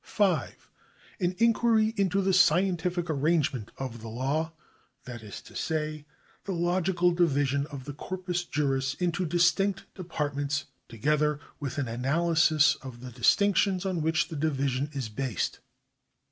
5. An inquiry into the scientific arrangement of the law, that is to say, the logical division of the corpus juris into distinct departments, together with an analj^sis of the dis tinctions on which the division is based.